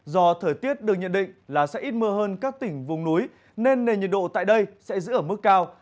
do thời tiết được nhận định là sẽ ít mưa hơn các tỉnh vùng núi nên nền nhiệt độ tại đây sẽ giữ ở mức cao